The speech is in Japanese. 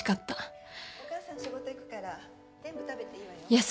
お母さん仕事行くから全部食べていいわよ